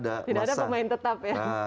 tidak ada pemain tetap ya